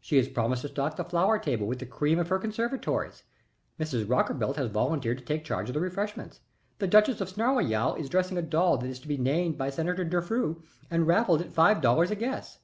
She has promised to stock the flower table with the cream of her conservatories. Mrs. Rockerbilt has volunteered to take charge of the refreshments. The duchess of Snarleyow is dressing a doll that is to be named by Senator Defew and raffled at five dollars a guess.